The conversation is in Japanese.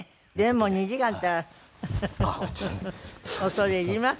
恐れ入ります。